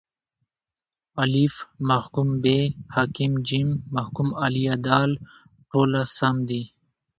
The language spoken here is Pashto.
الف: محکوم به ب: حاکم ج: محکوم علیه د: ټوله سم دي